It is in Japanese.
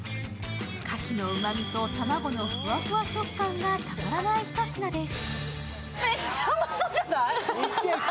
かきのうまみと卵のふわふわ食感がたまらない一品です。